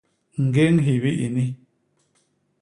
Ñgéñ hibi ini!